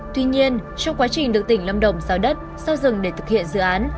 tuy nhiên trong quá trình được tỉnh lâm đồng giao đất giao dừng để thực hiện dự án